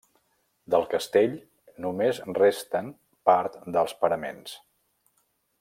Del castell només resten part dels paraments.